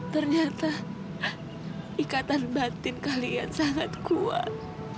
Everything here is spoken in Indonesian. ternyata ikatan batin kalian sangat kuat